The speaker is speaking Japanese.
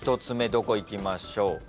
１つ目どこいきましょう？